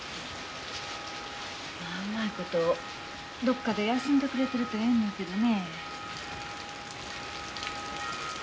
うまいことどっかで休んでくれてるとええんやけどね。